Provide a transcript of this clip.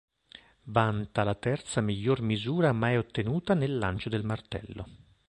Vanta la terza miglior misura mai ottenuta nel lancio del martello.